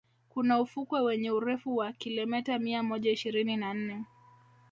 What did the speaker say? kuna ufukwe wenye urefu wa kilimeta mia moja ishirini na nne